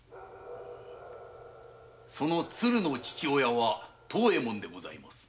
そのつるの父親は藤右ヱ門でございます。